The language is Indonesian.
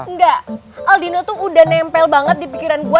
enggak aldino tuh udah nempel banget di pikiran gue